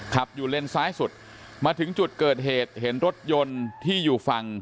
ขับอยู่เลนซ้ายสุดมาถึงจุดเกิดเหตุเห็นรถยนต์ที่อยู่ฝั่ง